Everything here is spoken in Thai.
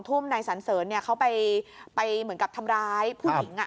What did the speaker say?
ทุ่มในสันเสิร์เนี่ยเขาไปไปเหมือนกับทำร้ายผู้หญิงอ่ะ